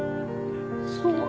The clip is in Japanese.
そう？